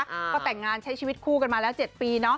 ก็แต่งงานใช้ชีวิตคู่กันมาแล้ว๗ปีเนาะ